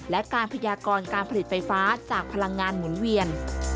และการพยากรการผลิตไฟฟ้าจากพลังงานหมุนเวียน